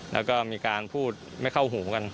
แล้วก็มีการพูดไม่เข้าหูกัน